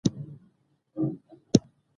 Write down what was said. دغزنی نوم هم لکه څنګه چې تراوسه پورې